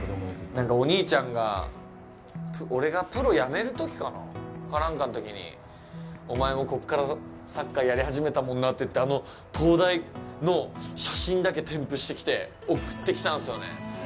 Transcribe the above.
なんか、お兄ちゃんが俺がプロやめるときかな、か何かのときにおまえもここからサッカーやり始めたもんなってあの灯台の写真だけ添付してきて送ってきたんすよね。